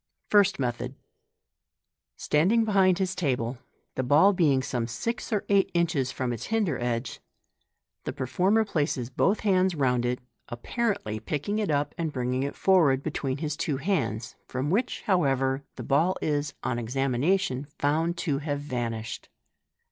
— First Method. Standing behind his table, the ball being some six or eight inches from its hinder edge, the performer places both bands round it, apparently picking it up and bringing it forward between his two hands, from which, however, the ball is, on examination, found to have vanished.